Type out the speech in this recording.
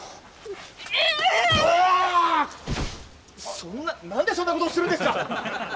そんな何でそんなことをするんですか！